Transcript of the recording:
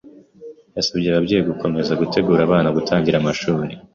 Yasabye ababyeyi gukomeza gutegura abana gutangira amashuri,